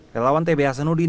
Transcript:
relawan tba senudin dan agusin